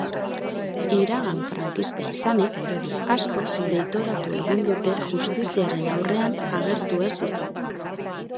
Iragan frankista izanik, askok deitoratu egin dute justiziaren aurrean agertu ez izana.